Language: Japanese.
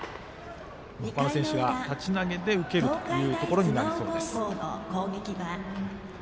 他の選手が立ち投げで受けることになりそうです。